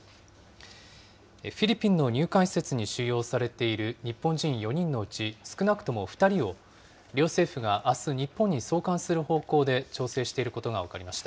フィリピンの入管施設に収容されている日本人４人のうち、少なくとも２人を、両政府があす日本に送還する方向で、調整していることが分かりました。